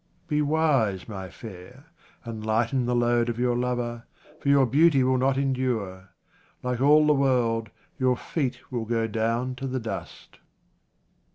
Be wise, my fair, and lighten the load of your lover, for your beauty will not endure. Like all the world, your feet will go down to the dust.